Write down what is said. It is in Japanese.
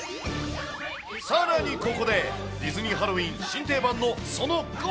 さらにここで、ディズニーハロウィーン新定番のその５。